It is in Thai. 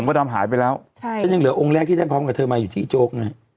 ดำหายไปแล้วใช่ฉันยังเหลือองค์แรกที่ได้พร้อมกับเธอมาอยู่ที่โจ๊กนะฮะ